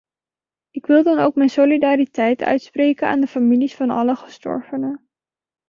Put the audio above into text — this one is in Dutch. Ik wil dan ook mijn solidariteit uitspreken aan de families van alle gestorvenen.